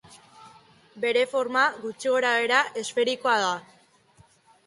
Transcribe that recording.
Bere forma, gutxi gora-behera, esferikoa da.